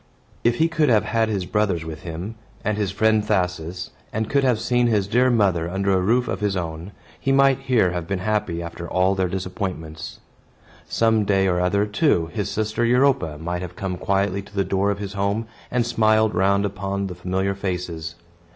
If he could have had his brothers with him, and his friend Thasus, and could have seen his dear mother under a roof of his own, he might here have been happy after all their disappointments. Some day or other, too, his sister Europa might have come quietly to the door of his home, and smiled round upon the familiar faces.